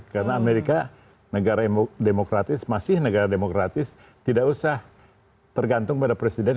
karena amerika negara demokratis masih negara demokratis tidak usah tergantung pada presiden